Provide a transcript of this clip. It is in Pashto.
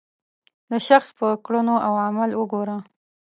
د شخص په کړنو او عمل وګوره.